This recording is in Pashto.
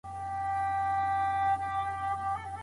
غرونه بې واورو نه وي.